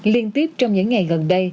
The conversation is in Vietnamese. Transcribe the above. liên tiếp trong những ngày gần đây